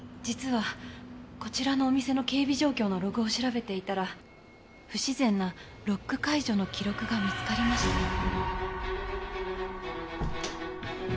実はこちらのお店の警備状況のログを調べていたら不自然なロック解除の記録が見つかりまして。